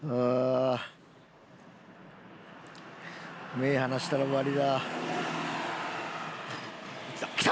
目離したら終わりだ。来た。来た！